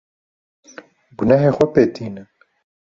Gunehê xwe pê tînin.